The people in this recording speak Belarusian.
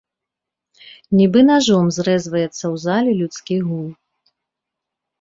Нібы нажом зрэзваецца ў зале людскі гул.